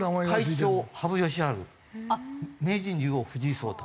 「会長羽生善治名人竜王藤井聡太」